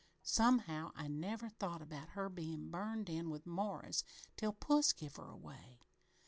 Somehow, I never thought about her bein' burned in with Morris till puss give her away.